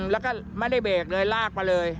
แล้วก็ไม่ได้เบรกเลยลากมาเลย